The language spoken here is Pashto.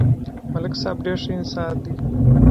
ملک صاحب ډېر ښه انسان دی